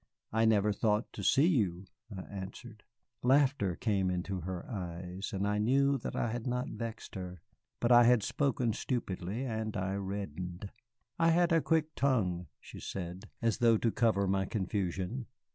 "I never thought to see you," I answered. Laughter came into her eyes, and I knew that I had not vexed her. But I had spoken stupidly, and I reddened. "I had a quick tongue," she said, as though to cover my confusion.